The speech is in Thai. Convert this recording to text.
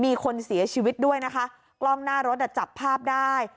มีคนเสียชีวิตด้วยนะคะกล้องหน้ารถอ่ะจับภาพได้